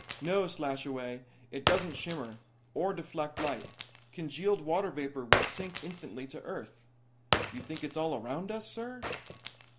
"No, Slashaway. It doesn't shimmer, or deflect light. Congealed water vapor would sink instantly to earth." "You think it's all around us, sir?"